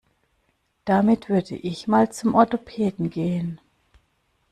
Damit würde ich mal zum Orthopäden gehen.